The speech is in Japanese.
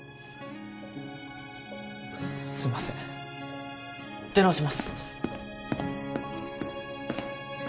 すいません出直します